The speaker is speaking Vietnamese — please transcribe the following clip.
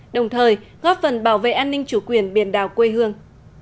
đồng thời góp phần bảo vệ an ninh chủ quyền biển đảo quê hương